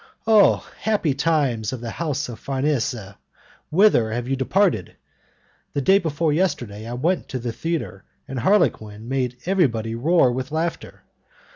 Oh! happy times of the house of Farnese, whither have you departed? The day before yesterday I went to the theatre, and Harlequin made everybody roar with laughter.